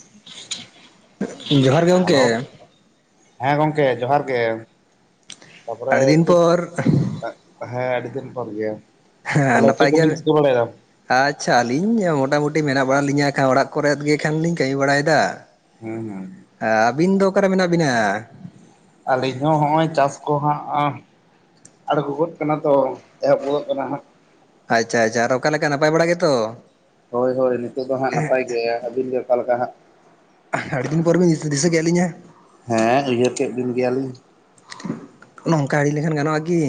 [unintelligible] ᱡᱚᱦᱟᱨ ᱜᱮ ᱜᱚᱢᱠᱮ ᱦᱮᱞᱳ, ᱦᱮᱸ ᱜᱚᱝᱠᱮ ᱡᱚᱦᱟᱨ ᱜᱮ ᱾ ᱛᱟᱯᱚᱨᱮ ᱟᱹᱰᱤ ᱫᱤᱱ ᱪᱮᱫ, ᱯᱚᱨ ᱦᱮᱸ ᱟᱹᱰᱤ ᱫᱤᱱ ᱯᱚᱨ ᱜᱮ ᱾ ᱦᱮᱸ ᱱᱟᱯᱟᱭ ᱜᱮᱭᱟ ᱵᱮᱱ? ᱟᱪᱪᱷᱟ ᱟᱹᱞᱤᱧ ᱢᱳᱚᱴᱟᱢᱩᱴᱤ ᱢᱮᱱᱟᱜ ᱵᱟᱲᱟ ᱞᱤᱧᱟᱹ ᱠᱷᱟᱱ ᱚᱲᱟᱜ ᱠᱚᱨᱮᱫ ᱜᱮ ᱠᱷᱟᱱ ᱞᱤᱧ ᱠᱟᱹᱢᱤ ᱵᱟᱲᱟᱭᱮᱫᱟ ᱾ ᱦᱩᱸ ᱦᱩᱸ ᱾ ᱟᱻ ᱟᱹᱵᱤᱱ ᱫᱚ ᱚᱠᱟᱨᱮ ᱢᱮᱱᱟᱜ ᱵᱤᱱᱟ? ᱟᱹᱞᱤᱧ ᱦᱚᱸ ᱦᱚᱸᱜᱼᱚᱭ ᱪᱟᱥ ᱠᱚᱦᱟᱸᱜᱼᱟᱸ ᱟᱬᱜᱚᱼᱜᱚᱫ ᱠᱟᱱᱟ ᱛᱚ, ᱮᱦᱚᱵᱚᱜ ᱠᱟᱱᱟ ᱦᱟᱸᱜ᱾ ᱟᱪᱪᱷᱟ ᱟᱪᱪᱷᱟ ᱟᱨ ᱚᱠᱟ ᱞᱮᱠᱟ ᱱᱟᱯᱟᱭ ᱵᱟᱲᱟᱭ ᱜᱮᱛᱚ? ᱦᱳᱭ ᱦᱳᱭ ᱱᱤᱛᱚᱜ ᱫᱚ ᱦᱟᱸᱜ ᱱᱟᱯᱟᱭ ᱜᱮ ᱾ ᱟᱹᱵᱤᱱ ᱜᱮ ᱚᱠᱟ ᱞᱮᱠᱟ ᱦᱟᱸᱜ? ᱟᱹᱰᱤ ᱫᱤᱱ ᱯᱚᱨ ᱵᱤᱱ ᱫᱤᱥᱟᱹ ᱫᱤᱥᱟᱹ ᱠᱮᱫ ᱞᱤᱧᱟ ᱾ ᱦᱮᱸ ᱩᱭᱦᱟᱹᱨ ᱠᱮᱫ ᱵᱤᱱ ᱜᱮᱭᱟᱞᱤᱧ ᱾ ᱱᱚᱝᱠᱟ ᱟᱹᱲᱤ ᱞᱮᱱᱠᱷᱟᱱ ᱜᱟᱱᱚᱜᱼᱟ ᱠᱤ?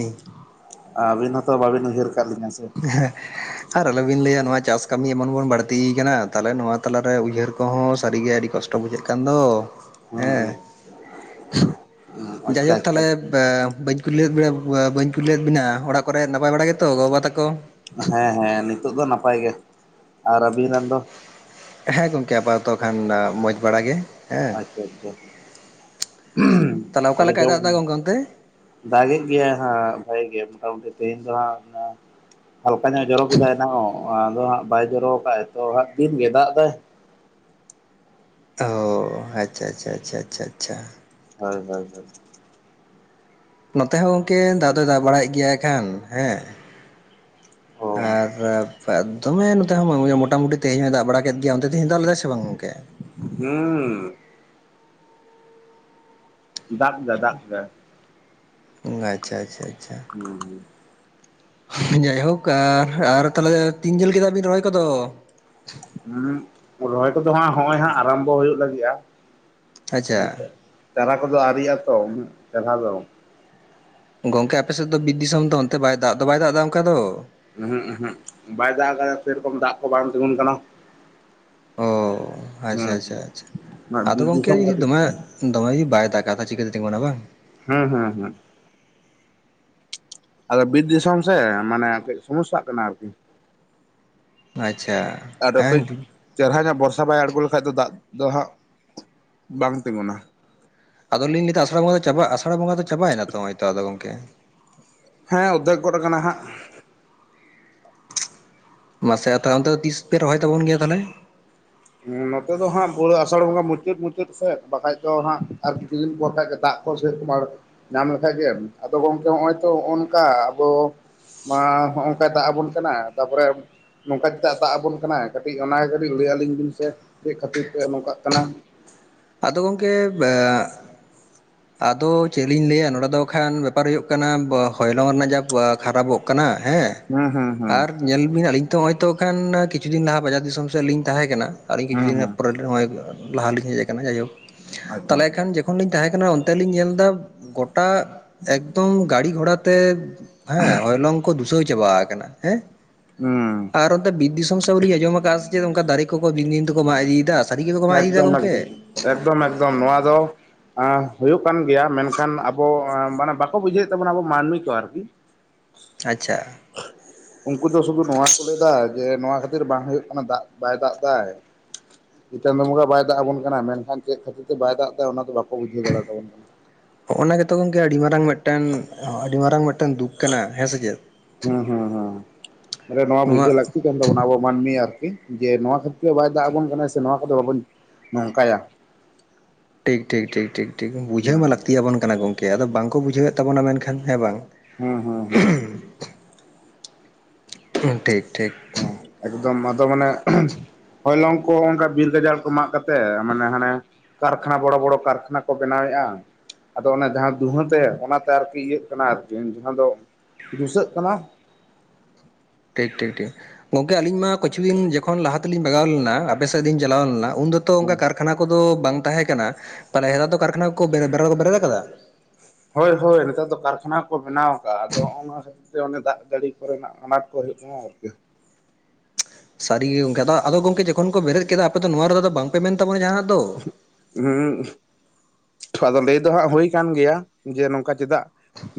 ᱟᱹᱵᱤᱱ ᱦᱚᱸᱛᱚ ᱵᱟᱹᱵᱤᱱ ᱩᱭᱦᱟᱹᱨ ᱠᱟᱜ ᱞᱤᱧᱟᱹ ᱥᱮ ᱾ [unintelligible] ᱟᱨ ᱟᱞᱚᱵᱤᱱ ᱞᱟᱹᱭᱟ ᱱᱚᱣᱟ ᱪᱟᱥ ᱠᱟᱹᱢᱤ ᱮᱢᱚᱱ ᱵᱚᱱ ᱵᱟᱹᱲᱛᱤ ᱠᱟᱱᱟ ᱛᱟᱦᱚᱞᱮ ᱱᱚᱣᱟ ᱛᱟᱞᱟᱨᱮ ᱩᱭᱦᱟᱹᱨ ᱠᱚᱦᱚᱸ ᱥᱟᱹᱨᱤᱜᱮ ᱟᱹᱰᱤ ᱠᱚᱥᱴᱚ ᱠᱚᱥᱴᱚ ᱵᱩᱡᱷᱟᱹᱜ ᱠᱟᱱ ᱫᱚ ᱦᱩᱸ ᱦᱩᱸ ᱦᱮᱸ, ᱟᱪᱪᱷᱟ ᱡᱟᱭᱦᱳᱠ ᱟᱪᱪᱷᱟ ᱛᱟᱦᱚᱞᱮ ᱵᱟᱹᱧ ᱠᱩᱞᱤᱞᱮᱫ ᱵᱤᱱᱟ ᱵᱟᱹᱧ ᱠᱩᱞᱤ ᱞᱮᱫ ᱵᱤᱱᱟ ᱚᱲᱟᱜ ᱠᱚᱨᱮ ᱱᱟᱯᱟᱭ ᱵᱟᱲᱟ ᱜᱮᱛᱚ ᱜᱚ ᱵᱟᱵᱟ ᱛᱟᱠᱚ? ᱦᱮᱸ ᱦᱮᱸ ᱱᱤᱛᱳᱜ ᱫᱚ ᱱᱟᱯᱟᱭ ᱜᱮ ᱾ ᱟᱨ ᱟᱵᱤᱱ ᱨᱮᱱ ᱫᱚ? ᱦᱮᱸ ᱜᱚᱢᱠᱮ ᱟᱯᱟᱛᱚᱛᱚ ᱠᱷᱟᱱ ᱢᱚᱸᱡᱽ ᱵᱟᱲᱟ ᱜᱮ ᱾ ᱦᱮᱸ, ᱟᱪᱪᱷᱟ ᱟᱪᱪᱷᱟ ᱛᱟᱦᱚᱞᱮ ᱚᱠᱟ ᱞᱮᱠᱟᱭ ᱫᱟᱜ ᱮᱫᱟ ᱜᱚᱢᱠᱮ ᱚᱱᱛᱮ? ᱫᱟᱜᱮᱜ ᱜᱮᱭᱟ ᱦᱟᱸᱜ ᱵᱷᱟᱜᱤ ᱜᱮ ᱢᱚᱴᱟᱢᱩᱴᱤ ᱛᱮᱦᱮᱧ ᱫᱚ ᱦᱟᱸᱜ ᱚᱱᱟ ᱦᱟᱞᱠᱟ ᱧᱚᱜ ᱡᱚᱨᱚ ᱠᱮᱫᱟᱭ ᱮᱱᱟᱝ ᱚᱸᱜ ᱟᱫᱚ ᱦᱟᱸᱜ ᱵᱟᱭ ᱡᱚᱨᱚ ᱠᱟᱜᱼᱟᱭ ᱛᱚ ᱦᱟᱸᱜ ᱫᱤᱱᱜᱮ ᱫᱟᱜ ᱫᱟᱭ ᱾ ᱚᱻ ᱟᱪᱪᱷᱟ ᱟᱪᱪᱷᱟ ᱟᱪᱪᱷᱟ ᱟᱪᱪᱷᱟ ᱟᱪᱪᱷᱟ ᱾ ᱦᱳᱭ ᱦᱳᱭ ᱦᱳᱭ ᱾ ᱱᱚᱛᱮ ᱦᱚᱸ ᱜᱚᱢᱠᱮ ᱫᱟᱜ ᱫᱚᱭ ᱫᱟᱜ ᱵᱟᱲᱟᱭᱮᱫ ᱜᱮᱭᱟᱭ ᱠᱷᱟᱱ ᱦᱮᱸ ᱾ ᱚ ᱟᱨ ᱫᱚᱢᱮ ᱱᱚᱛᱮ ᱦᱚᱸ [unintelligible] ᱢᱚᱴᱟᱢᱩᱴᱤ ᱛᱮᱦᱮᱧ ᱦᱚᱭ ᱫᱟᱜ ᱵᱟᱲᱟ ᱠᱮᱫ ᱜᱮᱭᱟ ᱚᱱᱛᱮ ᱛᱮᱦᱮᱸᱧᱮ ᱫᱟᱜ ᱞᱮᱫᱟ ᱥᱮ ᱵᱟᱝ ᱜᱚᱢᱠᱮ? ᱦᱩᱸᱻ ᱾ ᱫᱟᱜ ᱠᱮᱫᱟᱭ ᱫᱟᱜ ᱠᱮᱫᱟᱭ ᱾ ᱩᱸ ᱟᱪᱪᱷᱟ ᱟᱪᱪᱷᱟ ᱟᱪᱪᱷᱟ ᱾ ᱦᱩᱸᱻ ᱾ ᱡᱟᱭᱦᱳᱠ ᱟᱨ, ᱟᱨ ᱛᱟᱦᱚᱞᱮ ᱛᱤᱱ ᱡᱷᱟᱹᱞ ᱠᱮᱫᱟ ᱵᱤᱱ ᱨᱚᱦᱚᱭ ᱠᱚᱫᱚ? ᱩᱸᱜ ᱨᱚᱦᱚᱭ ᱠᱚᱫᱚ ᱦᱟᱸᱜ ᱦᱚᱜ-ᱚᱭ ᱦᱟᱸᱜ ᱟᱨᱟᱢᱵᱚ ᱦᱩᱭᱩᱜ ᱞᱟᱜᱤᱜᱼᱟ ᱾ ᱟᱪᱪᱷᱟ ᱾ ᱪᱟᱨᱟ ᱠᱚᱫᱚ ᱟᱹᱣᱨᱤᱜ ᱟᱛᱚ ᱩᱱᱟᱹᱜ ᱪᱮᱨᱦᱟ ᱫᱚ ᱾ ᱜᱚᱢᱠᱮ ᱟᱯᱮ ᱥᱮᱫ ᱫᱚ ᱵᱤᱨ ᱫᱤᱥᱚᱢ ᱫᱚ ᱚᱱᱛᱮ ᱵᱟᱭ ᱫᱟᱜ ᱫᱚ ᱵᱟᱭ ᱫᱟᱜ ᱫᱟ ᱚᱱᱠᱟ ᱫᱚ? ᱩᱦᱩᱸᱜ ᱩᱦᱩᱸᱜ ᱵᱟᱭ ᱫᱟᱜ ᱟᱠᱟᱫᱟ, ᱥᱮᱨᱚᱠᱚᱢ ᱫᱟᱜ ᱠᱚ ᱵᱟᱭ ᱛᱤᱸᱜᱩᱱ ᱠᱟᱱᱟ᱾ ᱚ ᱟᱪᱪᱷᱟ ᱦᱩᱸ ᱟᱪᱪᱷᱟ ᱟᱪᱪᱷᱟ ᱦᱩᱸ ᱟᱫᱚ ᱵᱤᱨ ᱜᱚᱢᱠᱮ ᱫᱤᱥᱚᱢ ᱡᱩᱫᱤ ᱠᱷᱟᱹᱛᱤᱨ ᱫᱚᱢᱮ ᱫᱚᱢᱮ ᱡᱩᱫᱤ ᱵᱟᱭ ᱫᱟᱜᱟ ᱠᱟᱛᱷᱟ ᱪᱤᱠᱟᱹ ᱛᱮ ᱛᱤᱸᱜᱩᱱᱟ ᱵᱟᱝ? ᱦᱮᱸ ᱦᱮᱸ ᱦᱮᱸ᱾ ᱟᱫᱚ ᱵᱤᱨ ᱫᱤᱥᱚᱢ ᱥᱮ ᱢᱟᱱᱮ ᱠᱟᱹᱡ ᱥᱚᱢᱚᱥᱥᱟᱜ ᱠᱟᱱᱟ ᱟᱹᱨᱠᱤ᱾ ᱟᱪᱪᱷᱟ ᱟᱨ ᱠᱟᱡᱽ ᱦᱮᱸ ᱪᱮᱦᱮᱨᱟ ᱧᱚᱜ ᱵᱷᱚᱨᱥᱟ ᱵᱟᱭ ᱟᱬᱜᱚ ᱞᱮᱠᱷᱟᱡ ᱫᱚ ᱫᱟᱜ ᱫᱚ ᱦᱟᱸᱜ ᱵᱟᱝ ᱛᱤᱸᱜᱩᱱᱟ᱾ ᱟᱫᱚ ᱞᱤᱧ ᱞᱟᱹᱭ ᱫᱟ ᱟᱥᱟᱲ ᱵᱚᱸᱜᱟ ᱫᱚ ᱟᱥᱟᱲ ᱵᱚᱸᱜᱟ ᱪᱟᱵᱟᱭ ᱱᱟᱛᱚ ᱱᱚᱜᱼᱚᱭ ᱛᱚ ᱜᱚᱢᱠᱮ᱾ ᱦᱮᱸ ᱚᱨᱫᱷᱮᱠ ᱜᱚᱜ ᱠᱟᱱᱟ ᱦᱟᱸᱜ᱾ ᱢᱟᱥᱮ ᱟᱫᱚ ᱛᱤᱥ ᱯᱮ ᱨᱚᱦᱚᱭ ᱛᱟᱵᱚᱱ ᱜᱮᱭᱟ ᱛᱟᱦᱚᱞᱮ? ᱱᱚᱛᱮ ᱫᱚ ᱦᱟᱸᱜ ᱯᱩᱨᱟᱹ ᱟᱥᱟᱲ ᱵᱚᱸᱜᱟ ᱢᱩᱪᱟᱹᱫ ᱢᱩᱪᱟᱹᱫ ᱥᱮᱫ ᱵᱟᱠᱷᱟᱡ ᱫᱚ ᱦᱟᱸᱜ ᱟᱨᱠᱤ᱾ ᱡᱤᱱ [unintelligible] ᱫᱟᱜ ᱠᱚ ᱥᱮ ᱠᱚᱢ ᱧᱟᱢ ᱞᱮᱠᱷᱟᱡ ᱜᱮ ᱾ ᱟᱫᱚ ᱜᱚᱢᱠᱮ ᱱᱚᱜᱼᱚᱭ ᱛᱚ ᱱᱚᱝᱠᱟ ᱟᱵᱚ ᱢᱟ ᱦᱚᱸᱜᱼ ᱚᱱᱠᱟᱭ ᱫᱟᱜ ᱟᱵᱚᱱ ᱠᱟᱱᱟ ᱛᱟᱯᱚᱨᱮ ᱱᱚᱝᱠᱟ ᱪᱮᱫᱟᱜ ᱮ ᱫᱟᱜ ᱟᱵᱚᱱ ᱠᱟᱱᱟᱭ, ᱠᱟᱹᱴᱤᱡ ᱚᱱᱟ ᱜᱮ ᱠᱟᱹᱴᱤᱡ ᱞᱟᱹᱭ ᱟᱹᱞᱤᱧ ᱵᱤᱱ ᱥᱮ ᱪᱮᱫ ᱠᱷᱟᱹᱛᱤᱨ ᱛᱮ ᱱᱚᱝᱠᱟᱜ ᱠᱟᱱᱟ? ᱟᱫᱚ ᱜᱚᱢᱠᱮ [unintelligible] [inaudible] ᱟᱫᱚ ᱪᱮᱫ ᱞᱤᱧ ᱞᱟᱹᱭᱟ, ᱱᱚᱸᱰᱮ ᱫᱚ ᱦᱟᱜ ᱠᱷᱟᱱ ᱵᱮᱯᱟᱨ ᱦᱩᱭᱩᱜ ᱠᱟᱱᱟ᱾ ᱟᱭᱮᱫᱟᱨ ᱨᱮᱱᱟᱜ ᱡᱟ ᱠᱷᱟᱨᱟᱯᱚᱜ ᱠᱟᱱᱟ᱾ ᱦᱮᱸ ᱦᱩᱸ ᱦᱩᱸ ᱦᱩᱸ ᱟᱨ ᱧᱮᱞᱵᱤᱱ ᱟᱹᱞᱤᱧ ᱛᱚ ᱱᱚᱜᱼᱚᱭ ᱛᱚ ᱦᱟᱜ ᱠᱷᱟᱱ ᱠᱤᱪᱷᱩ ᱫᱤᱱ ᱞᱟᱦᱟ ᱵᱟᱡᱟᱨ ᱫᱤᱥᱚᱢ ᱥᱮᱫ ᱞᱤᱧ ᱛᱟᱦᱮᱸ ᱠᱟᱱᱟ᱾ ᱟᱹᱞᱤᱧ ᱠᱤᱪᱷᱩ ᱦᱩᱸ ᱫᱤᱱ ᱦᱩᱸ ᱯᱚᱨ ᱱᱚᱜᱼᱚᱭ ᱞᱟᱦᱟ ᱞᱤᱧ ᱦᱮᱡ ᱠᱟᱱᱟ, ᱡᱟᱭᱦᱳᱠ ᱮᱠᱫᱚᱢ ᱛᱟᱦᱚᱞᱮ ᱠᱷᱟᱱ ᱡᱮ ᱠᱷᱚᱱ ᱞᱤᱧ ᱛᱟᱦᱮᱸ ᱠᱟᱱᱟ᱾ ᱚᱱᱛᱮ ᱞᱤᱧ ᱧᱮᱞ ᱫᱟ ᱜᱚᱴᱟ ᱮᱠᱫᱚᱢ ᱜᱟᱲᱤ ᱜᱷᱚᱲᱟ ᱛᱮ ᱦᱮᱸ ᱦᱚᱭᱞᱚᱝ ᱠᱚ ᱫᱩᱥᱟᱹᱣ ᱪᱟᱵᱟ ᱠᱟᱱᱟ ᱦᱮᱸ᱾ ᱦᱩᱸ ᱟᱨ ᱚᱱᱛᱮ ᱵᱤᱨ ᱫᱤᱥᱚᱢ ᱥᱮᱫ ᱦᱚᱸᱞᱤᱧ ᱟᱸᱡᱚᱢ ᱠᱟᱜᱼᱟ, ᱥᱮᱪᱮᱫ ᱚᱱᱠᱟ ᱫᱟᱨᱮ ᱠᱚᱠᱚ ᱫᱤᱱ ᱫᱤᱱ ᱛᱮᱠᱚ ᱢᱟᱜ ᱤᱫᱤᱭᱮᱫᱟ? ᱥᱟᱹᱨᱤ ᱜᱮᱠᱚ ᱢᱟᱜ ᱤᱫᱤᱭᱮᱫᱟ ᱮᱠᱫᱚᱢ ᱜᱚᱢᱠᱮ ᱮᱠᱫᱚᱢ ᱮᱠᱫᱚᱢ ᱮᱠᱫᱚᱢ ᱱᱚᱣᱟ ᱫᱚ ᱮ ᱦᱳᱭᱳᱜ ᱠᱟᱱ ᱜᱮᱭᱟ ᱢᱮᱱᱠᱷᱟᱱ ᱟᱵᱚ ᱢᱟᱱᱮ ᱵᱟᱠᱚ ᱵᱩᱡᱷᱟᱹᱣᱮᱫ ᱛᱟᱵᱚᱱᱟ, ᱟᱵᱚ ᱢᱟᱱᱢᱤ ᱠᱚ ᱟᱨᱠᱤ᱾ [inaudible] ᱟᱪᱪᱷᱟ ᱩᱱᱠᱩ ᱫᱚ ᱥᱩᱫᱷᱩ ᱱᱚᱣᱟ ᱠᱚ ᱞᱟᱹᱭᱫᱟ ᱡᱮ ᱱᱚᱣᱟ ᱠᱷᱟᱹᱛᱤᱨ ᱵᱟᱝ ᱦᱩᱭᱩᱜ ᱠᱟᱱᱟ, ᱫᱟᱜ ᱵᱟᱭ ᱫᱟᱜ ᱫᱟᱭ ᱪᱟᱸᱫᱚ ᱵᱚᱸᱜᱟ ᱵᱟᱭ ᱫᱟᱜ ᱟᱵᱚᱱ ᱠᱟᱱᱟᱭ, ᱢᱮᱱᱠᱷᱟᱱ ᱪᱮᱫ ᱠᱷᱟᱹᱛᱤᱨ ᱛᱮ ᱵᱟᱭ ᱫᱟᱜ ᱫᱟᱭ ᱚᱱᱟ ᱫᱟ ᱵᱟᱠᱟ ᱵᱩᱡᱟᱹᱣ ᱫᱟᱲᱮᱭᱟᱛᱟᱵᱚᱱ ᱠᱟᱱᱟ᱾ ᱚᱱᱟ ᱜᱮᱛᱚ ᱜᱚᱝᱠᱮ ᱟᱹᱰᱤ ᱢᱟᱨᱟᱝ ᱢᱤᱫᱴᱮᱱ ᱟᱹᱰᱤ ᱢᱟᱨᱟᱝ ᱢᱤᱫᱴᱮᱱ ᱫᱩᱠ ᱠᱟᱱᱟ ᱦᱮᱸᱥᱮ ᱪᱮᱫ? ᱦᱩᱸ ᱦᱩᱸ ᱦᱩᱸ ᱢᱟᱱᱮ ᱱᱚᱣᱟ ᱵᱩᱡᱷᱟᱹᱣ ᱞᱟᱹᱠᱛᱤ ᱠᱟᱱ ᱛᱟᱵᱚᱱᱟ, ᱟᱵᱚ ᱢᱟᱹᱱᱢᱤ ᱟᱨᱠᱤ ᱡᱮ ᱱᱚᱣᱟ ᱠᱷᱟᱹᱛᱤᱨ ᱵᱟᱭ ᱫᱟᱜ ᱟᱵᱚᱱ ᱠᱟᱱᱟᱭ ᱥᱮ ᱱᱚᱣᱟ ᱠᱚᱫᱚ ᱵᱟᱵᱚᱱ ᱱᱚᱝᱠᱟᱭᱟ ᱴᱷᱤᱠ ᱴᱷᱤᱠ ᱴᱷᱤᱠ ᱴᱷᱤᱠ ᱴᱷᱤᱠ ᱵᱩᱡᱷᱟᱹᱣ ᱢᱟ ᱦᱩᱸ ᱞᱟᱹᱠᱛᱤᱭᱟᱵᱚᱱ ᱠᱟᱱᱟ ᱜᱚᱝᱠᱮ, ᱟᱫᱚ ᱵᱟᱝ ᱠᱚ ᱵᱩᱡᱷᱟᱹᱣᱮᱫ ᱛᱟᱵᱚᱱᱟ, ᱢᱮᱱᱠᱷᱟᱱ ᱦᱮᱸ ᱵᱟᱝ᱾ ᱦᱩᱸ ᱦᱩᱸ ᱦᱩᱸ [inaudible] ᱴᱷᱤᱠ ᱴᱷᱤᱠ ᱦᱩᱸ ᱮᱠᱫᱚᱢ ᱟᱫᱚ ᱢᱟᱱᱮ ᱦᱳᱭᱯᱚᱝ ᱠᱚ, ᱚᱱᱠᱟ ᱵᱤᱨ ᱜᱟᱡᱟᱲ ᱠᱚ ᱢᱟᱜ ᱠᱟᱛᱮᱜᱴ ᱢᱟᱱᱮ ᱦᱟᱱᱮ ᱠᱟᱨᱠᱷᱟᱱᱟ ᱵᱚᱲᱚ ᱵᱚᱲᱚ ᱠᱟᱨᱠᱷᱟᱱᱟ ᱠᱚ ᱵᱮᱱᱟᱣᱮᱫᱼᱟ᱾ ᱟᱫᱚ ᱚᱱᱮ ᱡᱟᱦᱟᱸ ᱫᱩᱦᱟᱹᱛᱮ ᱚᱱᱟᱛᱮ ᱟᱨᱠᱤ ᱤᱭᱟᱹᱜ ᱠᱟᱱᱟ ᱟᱨᱠᱤ ᱡᱟᱦᱟᱸ ᱫᱚ ᱫᱩᱥᱟᱹᱜ ᱠᱟᱱᱟ᱾ ᱴᱷᱤᱠ ᱴᱷᱤᱠ ᱴᱷᱤᱠ ᱜᱚᱝᱠᱮ ᱟᱞᱤᱧ ᱢᱟ ᱠᱤᱪᱷᱩ ᱫᱤᱱ ᱡᱚᱠᱷᱚᱱ ᱞᱟᱦᱟ ᱛᱮᱞᱤᱧ ᱵᱟᱜᱟᱣ ᱞᱮᱱᱟ, ᱟᱯᱮ ᱥᱮᱫ ᱞᱤᱧ ᱪᱟᱞᱟᱣ ᱞᱮᱱᱟ ᱩᱱᱫᱚ ᱛᱚ ᱚᱱᱠᱟ ᱠᱟᱨᱠᱷᱟᱱᱟ ᱠᱚᱫᱚ ᱵᱟᱝ ᱛᱟᱦᱮᱸ ᱠᱟᱱᱟ᱾ ᱛᱚ ᱱᱮᱛᱟᱨ ᱫᱚ ᱠᱟᱨᱠᱷᱟᱱᱟ ᱠᱚ ᱵᱮᱨ ᱵᱮᱨ ᱵᱮᱨᱮᱫ ᱠᱟᱫᱟ? ᱦᱳᱭ ᱦᱳᱭ ᱱᱮᱛᱟᱨ ᱫᱚ ᱠᱟᱨᱠᱷᱟᱱᱟ ᱠᱚ ᱵᱮᱱᱟᱣ ᱠᱟᱫᱼᱟ ᱟᱫᱚ ᱛᱮ ᱚᱱᱮ ᱫᱟᱜ ᱡᱟᱹᱲᱤ ᱠᱚᱨᱮᱱᱟᱜ ᱟᱱᱟᱴ ᱠᱚ ᱦᱩᱭᱩᱜ ᱠᱟᱱᱟ ᱟᱨᱠᱤ᱾ ᱥᱟᱹᱨᱤ ᱜᱮ ᱜᱚᱝᱠᱮ ᱟᱫᱚ ᱜᱚᱝᱠᱮ ᱡᱚᱠᱷᱚᱱ ᱵᱮᱨᱮᱫ ᱠᱮᱫᱟ ᱟᱯᱮᱫᱚ ᱱᱚᱣᱟ ᱨᱮᱫᱚ ᱟᱫᱚ ᱵᱟᱝ ᱯᱮ ᱢᱮᱱ ᱛᱟᱵᱱᱟ ᱡᱟᱦᱟᱱᱟᱜ ᱫᱚ ᱦᱩᱸ ᱛᱷᱚ ᱟᱫᱚ ᱞᱟᱹᱭ ᱫᱚ ᱦᱟᱸᱜ ᱦᱳᱭ ᱠᱟᱱ ᱜᱮᱭᱟ ᱡᱮ ᱱᱚᱝᱠᱟ ᱪᱮᱫᱟᱜ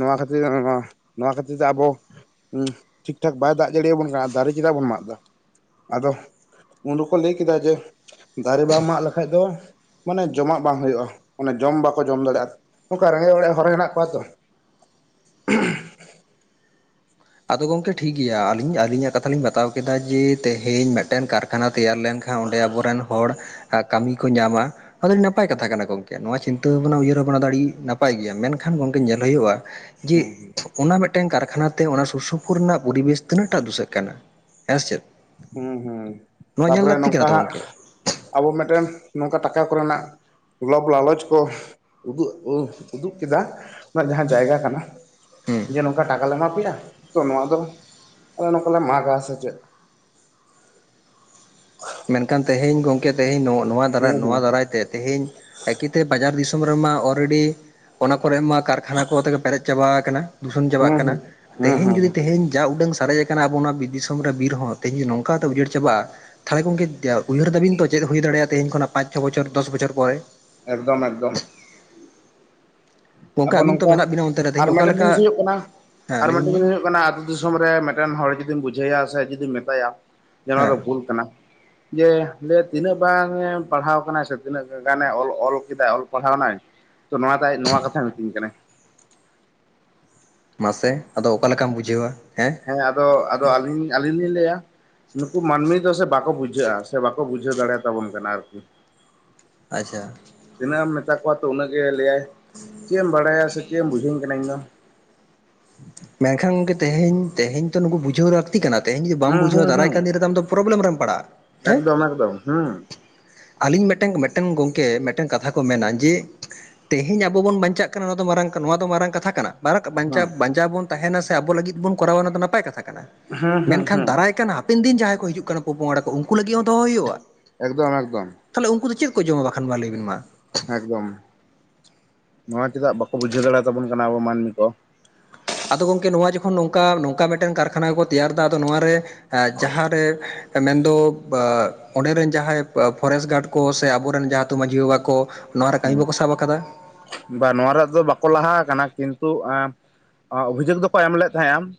ᱱᱚᱣᱟ ᱠᱷᱟᱹᱛᱤᱨ ᱜᱮ ᱱᱚᱣᱟ, ᱱᱚᱣᱟ ᱠᱷᱟᱹᱛᱤᱨ ᱛᱮ ᱟᱵᱚ ᱚᱦᱸ ᱴᱷᱤᱠ ᱴᱷᱟᱠ ᱵᱟᱭ ᱫᱟᱜ ᱡᱟᱲᱤᱭᱟᱵᱚᱱ ᱠᱟᱱᱟ ᱟᱨ ᱫᱟᱨᱮ ᱪᱮᱫᱟᱜ ᱵᱚᱱ ᱢᱟᱜ ᱫᱟ? ᱟᱫᱚ ᱩᱱ ᱦᱚᱸᱠᱚ ᱞᱟᱹᱭ ᱠᱮᱫᱟ ᱡᱮ ᱫᱟᱨᱮ ᱵᱟᱢ ᱢᱟᱜ ᱞᱮᱠᱟᱡ ᱫᱚ ᱢᱟᱱᱮ ᱡᱚᱢᱟᱜ ᱵᱟᱝ ᱦᱩᱭᱩᱜᱼᱟ᱾ ᱚᱱᱮ ᱡᱚᱢ ᱵᱟᱠᱚ ᱡᱚᱢ ᱫᱟᱲᱮᱭᱟᱜᱼᱟ ᱱᱚᱝᱠᱟ ᱨᱮᱸᱜᱮᱡ ᱚᱨᱮᱡ ᱦᱚᱨ ᱦᱮᱱᱟᱜ ᱠᱚᱣᱟ ᱛᱚ, ᱟᱫᱚ ᱜᱚᱸᱝᱠᱮ ᱴᱷᱤᱠ ᱜᱮᱭᱟ ᱟᱹᱞᱤᱧ ᱟᱹᱞᱤᱧᱟᱜ ᱠᱟᱛᱷᱟ ᱞᱤᱧ ᱵᱟᱛᱟᱣ ᱠᱮᱫᱟ ᱡᱮ ᱛᱮᱦᱮᱧ ᱢᱤᱫᱴᱮᱱ ᱠᱟᱨ ᱠᱷᱟᱱᱟ ᱛᱮᱭᱟᱨ ᱞᱮᱱᱠᱷᱟᱱ ᱚᱸᱰᱮ ᱟᱵᱚᱨᱮᱱ ᱦᱚᱲ ᱠᱟᱹᱢᱤ ᱠᱚ ᱧᱟᱢᱟ᱾ ᱟᱫᱚ ᱟᱹᱰᱤ ᱱᱟᱯᱟᱭ ᱠᱟᱛᱷᱟ ᱠᱟᱱᱟ ᱜᱚᱝᱠᱮ ᱱᱚᱣᱟ ᱪᱤᱱᱛᱟᱹ ᱵᱷᱟᱵᱱᱟ ᱩᱭᱦᱟᱹᱨ ᱵᱷᱟᱵᱽᱱᱟ ᱫᱚ ᱟᱹᱰᱤ ᱱᱟᱯᱟᱭ ᱜᱮᱭᱟ ᱢᱮᱱᱠᱷᱟᱱ ᱜᱚᱝᱠᱮ ᱧᱮᱞ ᱦᱳᱭᱳᱜᱼᱟ ᱡᱮ ᱦᱩᱸ ᱚᱱᱟ ᱢᱤᱫᱴᱮᱱ ᱠᱟᱨᱠᱷᱟᱱᱟ ᱛᱮ ᱚᱱᱟ ᱥᱩᱨ ᱥᱩᱯᱩᱨ ᱨᱮᱱᱟᱜ ᱯᱚᱨᱤᱵᱮᱥ ᱛᱤᱱᱟᱹᱜ ᱴᱟ ᱫᱩᱥᱟᱹᱜ ᱠᱟᱱᱟ ᱦᱮᱸ ᱥᱮᱪᱮᱫ, ᱦᱩᱸ ᱦᱩᱸ ᱛᱟᱯᱚᱨᱮ ᱱᱚᱝᱠᱟ ᱛᱚ ᱦᱟᱸᱜ ᱜᱚᱢᱠᱮ ᱟᱵᱚ ᱢᱮᱫᱴᱮᱱ ᱱᱚᱝᱠᱟ ᱴᱟᱠᱟ ᱠᱚᱨᱮᱱᱟᱜ ᱞᱟᱵ ᱞᱟᱞᱚᱪ ᱠᱚ ᱩᱫᱩᱜ ᱩᱫᱩᱜ ᱠᱮᱫᱟ ᱣᱟᱜ ᱡᱟᱦᱟᱸ ᱡᱟᱭᱜᱟ ᱠᱟᱱᱟ ᱦᱩᱸ ᱡᱮ ᱱᱚᱝᱠᱟ ᱴᱟᱠᱟ ᱞᱮ ᱮᱢᱟ ᱯᱮᱭᱟ, ᱛᱚ ᱱᱚᱣᱟ ᱫᱚ ᱟᱞᱮ ᱱᱚᱝᱠᱟᱞᱮ ᱢᱟᱜᱟ ᱥᱮ ᱪᱮᱫ [unintelligible] ᱢᱮᱱᱠᱷᱟᱱ ᱛᱮᱦᱮᱧ ᱜᱚᱝᱠᱮ ᱛᱮᱦᱮᱧ ᱱᱚᱣᱟ ᱱᱚᱣᱟ ᱫᱟᱨᱟᱭ ᱦᱩᱸ ᱱᱚᱣᱟ ᱦᱩᱸ ᱫᱟᱨᱟᱭ ᱛᱮ ᱛᱮᱦᱮᱧ ᱮᱠᱤᱭᱛᱮ ᱵᱟᱡᱟᱨ ᱫᱤᱥᱚᱢ ᱨᱮᱢᱟ ᱚᱨᱨᱮᱰᱤ ᱚᱱᱟ ᱠᱚᱨᱮ ᱢᱟ ᱠᱟᱨᱠᱷᱟᱱᱟ ᱠᱚᱛᱮ ᱜᱮ ᱯᱮᱨᱮᱡ ᱪᱟᱵᱟ ᱠᱟᱱᱟ᱾ ᱫᱩᱥᱚᱱ ᱪᱟᱵᱟᱜ ᱦᱩᱸ ᱠᱟᱱᱟ ᱦᱩᱸ ᱦᱩᱸ ᱛᱮᱦᱮᱧ ᱡᱩᱫᱤ ᱦᱩᱸ ᱛᱮᱦᱮᱧ ᱡᱟ ᱩᱰᱟᱹᱝ ᱥᱟᱨᱮᱡ ᱠᱟᱱᱟ ᱟᱵᱚ ᱚᱱᱟ ᱵᱤᱨ ᱫᱤᱥᱚᱢ ᱨᱮ ᱵᱤᱨ ᱦᱚᱸ ᱛᱮᱦᱤᱧ ᱱᱚᱝᱠᱟ ᱟᱫᱚ ᱩᱡᱟᱹᱲ ᱪᱟᱵᱟᱜᱼᱟ ᱛᱟᱦᱚᱞᱮ ᱜᱚᱝᱠᱮ ᱩᱭᱦᱟᱹᱨ ᱫᱟᱵᱤᱱ ᱛᱚ ᱪᱮᱫ ᱦᱩᱭ ᱫᱟᱲᱮᱭᱟᱜ-ᱟ ᱛᱮᱦᱮᱧ ᱠᱷᱚᱱᱟᱜ ᱯᱟᱸᱪ ᱪᱷᱚ ᱵᱚᱪᱷᱚᱨ ᱫᱚᱥ ᱵᱚᱪᱷᱚᱨ ᱯᱚᱨᱮ? ᱮᱠᱫᱚᱢ ᱮᱠᱫᱚᱢ ᱜᱚᱝᱠᱮ ᱟᱵᱚ ᱟᱹᱵᱤᱱ ᱛᱚ ᱱᱚᱝᱠᱟ ᱢᱮᱱᱟᱜ ᱵᱤᱱᱟ ᱚᱱᱛᱮ ᱨᱮ ᱛᱮᱦᱮᱧ ᱟᱨ ᱚᱠᱟ ᱢᱮᱫᱴᱮᱱ ᱞᱮᱠᱟ ᱡᱤᱱᱤᱥ ᱦᱩᱭᱩᱜ ᱠᱟᱱᱟ ᱦᱮᱸ ᱟᱨ ᱞᱟᱹᱭᱵᱤᱱ ᱢᱮᱫᱴᱮᱱ ᱢᱟ ᱡᱤᱱᱤᱥ ᱦᱩᱭᱩᱜ ᱠᱟᱱᱟ ᱫᱤᱥᱚᱢ ᱨᱮ ᱢᱮᱫᱴᱮᱱ ᱦᱚᱲ ᱡᱩᱫᱤᱢ ᱵᱩᱡᱷᱟᱹᱣᱮᱭᱟ ᱥᱮ ᱡᱩᱫᱤᱢ ᱢᱮᱛᱟᱭᱟ ᱡᱮ ᱱᱚᱣᱟ ᱦᱮᱸ ᱫᱚ ᱵᱷᱩᱞ ᱠᱟᱱᱟ ᱡᱮ ᱞᱮᱭᱟᱭ ᱛᱤᱱᱟᱹᱜ ᱵᱟᱝᱮ ᱯᱟᱲᱦᱟᱣ ᱠᱟᱱᱟ ᱥᱮ ᱛᱤᱱᱟᱹᱜ ᱜᱟᱱᱮ ᱚᱞ ᱚᱞ ᱠᱮᱫᱟᱭ ᱚᱞ ᱯᱟᱲᱦᱟᱣᱱᱟᱭ? ᱛᱚ ᱱᱚᱣᱟ ᱫᱟᱭ ᱱᱚᱣᱟ ᱠᱟᱛᱷᱟ ᱢᱤᱛᱟᱹᱧ ᱠᱟᱱᱟ᱾ ᱢᱟᱥᱮ ᱟᱫᱚ ᱚᱠᱟ ᱞᱮᱠᱟᱢ ᱵᱩᱡᱷᱟᱹᱣᱟ ᱦᱮᱸ, ᱦᱮᱸ ᱟᱫᱚ ᱟᱫᱚ ᱟᱹᱞᱤᱧ, ᱟᱹᱞᱤᱧ ᱞᱤᱧ ᱞᱟᱹᱭᱟ᱾ ᱱᱩᱠᱩ ᱢᱟᱹᱱᱢᱤ ᱫᱚ ᱥᱮ ᱵᱟᱠᱚ ᱵᱩᱡᱷᱟᱹᱜᱼᱟ ᱥᱮ ᱵᱟᱠᱚ ᱵᱩᱡᱷᱟᱹᱣ ᱫᱟᱲᱮᱭᱟᱛᱟᱵᱚᱱ ᱠᱟᱱᱟ ᱟᱨᱠᱤ᱾ ᱟᱪᱪᱷᱟ ᱛᱤᱱᱟᱹᱜ ᱮᱢ ᱢᱮᱛᱟ ᱠᱚᱣᱟ ᱛᱚ ᱩᱱᱟᱹᱜ ᱜᱮ ᱞᱟᱹᱭᱟᱭ ᱪᱮᱫ ᱮᱢ ᱵᱟᱲᱟᱭᱟ ᱥᱮ ᱪᱮᱫ ᱮᱢ ᱵᱩᱡᱷᱟᱹᱧ ᱠᱟᱱᱟ ᱤᱧᱫᱚ, ᱢᱮᱱ ᱠᱷᱟᱱ ᱜᱚᱝᱠᱮ ᱛᱮᱦᱮᱧ ᱛᱮᱦᱮᱧ ᱛᱚ ᱱᱩᱠᱩ ᱵᱩᱡᱷᱟᱹᱣ [unintelligible] ᱞᱟᱹᱠᱛᱤ ᱠᱟᱱᱟ ᱛᱮᱦᱮᱧ ᱡᱚᱫᱤ ᱵᱟᱢ ᱦᱩᱸ ᱵᱩᱡᱷᱟᱹᱣᱟ ᱦᱩᱸ ᱫᱟᱨᱟᱭ ᱦᱩᱸ ᱠᱟᱱ ᱫᱤᱱ ᱨᱮ ᱫᱚ ᱟᱢ ᱫᱚ ᱯᱨᱚᱵᱞᱮᱢ ᱨᱮᱢ ᱯᱟᱲᱟᱜᱼᱟ ᱦᱮᱸ, ᱮᱠᱫᱚᱢ ᱮᱠᱫᱚᱢ ᱦᱩᱸ ᱟᱹᱞᱤᱧ ᱢᱤᱫᱴᱮᱝ, ᱢᱤᱫᱴᱮᱱ ᱜᱚᱝᱠᱮ ᱢᱤᱫᱴᱮᱱ ᱠᱟᱛᱷᱟ ᱠᱚ ᱢᱮᱱᱟ ᱡᱮ ᱛᱮᱸᱦᱮᱸᱧ ᱟᱵᱚ ᱵᱚᱱ ᱵᱟᱸᱧᱪᱟᱜ ᱠᱟᱱᱟ ᱱᱚᱣᱟ ᱫᱚ ᱢᱟᱨᱟᱝ ᱱᱚᱣᱟ ᱫᱚ ᱢᱟᱨᱟᱝ ᱠᱟᱛᱷᱟ ᱠᱟᱱᱟ᱾ ᱢᱟᱨᱟᱜ ᱵᱟᱸᱧᱪᱟᱣ ᱦᱩᱸ ᱵᱟᱧᱪᱟᱣ ᱵᱚᱱ ᱛᱟᱦᱮᱱᱟ ᱥᱮ ᱟᱵᱚ ᱞᱟᱹᱜᱤᱫ ᱵᱚᱱ ᱠᱚᱨᱟᱣᱟ ᱚᱱᱟ ᱫᱚ ᱱᱟᱯᱟᱭ ᱠᱟᱛᱷᱟ ᱠᱟᱱᱟ᱾ ᱦᱩᱸ ᱢᱮᱱ ᱦᱩᱸ ᱠᱷᱟᱱ ᱦᱩᱸ ᱫᱟᱨᱟᱭ ᱠᱟᱱ ᱦᱟᱯᱮᱱ ᱫᱤᱱ ᱡᱟᱦᱟᱸᱭ ᱠᱚ ᱦᱤᱡᱩᱜ ᱠᱟᱱᱟ ᱯᱚ ᱯᱚᱝᱲᱟ ᱠᱚ ᱩᱱᱠᱩ ᱞᱟᱹᱜᱤᱫ ᱦᱚᱸ ᱫᱚᱦᱚ ᱦᱩᱭᱩᱜᱼᱟ᱾ ᱮᱠᱫᱚᱢ ᱮᱠᱫᱚᱢ ᱛᱟᱦᱚᱞᱮ ᱩᱱᱠᱩ ᱫᱚ ᱪᱮᱫ ᱠᱚ ᱡᱚᱢᱟ ᱵᱟᱠᱷᱟᱱ ᱢᱟ ᱞᱟᱹᱭᱵᱤᱱ ᱢᱟ‍? ᱮᱠᱫᱚᱢ ᱱᱚᱣᱟ ᱪᱮᱫᱟᱜ ᱵᱟᱠᱚ ᱵᱩᱡᱷᱟᱹᱣ ᱫᱟᱲᱮ ᱛᱟᱵᱚᱱ ᱠᱟᱱᱟ ᱟᱵᱚ ᱢᱟᱹᱱᱢᱤ ᱠᱚ᱾ ᱟᱫᱚ ᱜᱚᱝᱠᱮ ᱱᱚᱣᱟ ᱡᱚᱠᱷᱚᱱ ᱱᱚᱝᱠᱟ ᱱᱚᱝᱠᱟᱱ ᱢᱤᱫᱴᱮᱱ ᱠᱟᱨᱠᱷᱟᱱᱟ ᱠᱚ ᱛᱮᱭᱟᱨ ᱮᱫᱟ ᱟᱫᱚ ᱱᱚᱣᱟ ᱨᱮ ᱮᱸ ᱡᱟᱦᱟᱸ ᱨᱮ ᱢᱮᱱᱫᱚ ᱚᱸᱰᱮ ᱨᱮᱱ ᱡᱟᱦᱟᱸᱭ ᱯᱷᱚᱨᱮᱥᱴ ᱜᱟᱨᱰ ᱠᱚ ᱥᱮ ᱟᱵᱚ ᱨᱮᱱ ᱡᱟᱦᱟᱸ ᱟᱛᱩ ᱢᱟᱺᱡᱷᱤ ᱵᱟᱵᱟ ᱠᱚ ᱱᱚᱣᱟ ᱨᱮ ᱠᱟᱹᱢᱤ ᱦᱮᱸ ᱵᱟ ᱠᱚ ᱥᱟᱵ ᱟᱠᱟᱫᱟ? ᱵᱟ ᱱᱚᱣᱟ ᱨᱮᱭᱟᱜ ᱫᱚ ᱵᱟᱠᱚ ᱞᱟᱦᱟ ᱟᱠᱟᱱᱟ ᱠᱤᱱᱛᱩ ᱮᱸ [inaudible] ᱚᱵᱷᱤᱡᱳᱜ ᱫᱚ ᱠᱚ ᱮᱢ ᱞᱮᱫ ᱛᱟᱦᱮᱸᱫᱼᱟ᱾